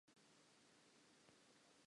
Diphoso tsa puo di bonahala ka bongata.